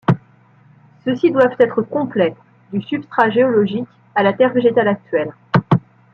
Ceux-ci doivent être complets du substrat géologique à la terre végétale actuelle.